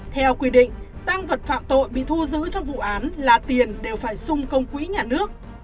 theo quy định tăng vật phạm tội bị thu giữ trong vụ án là tiền đều phải sung công quỹ nhà nước